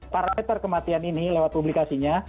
parameter kematian ini lewat publikasinya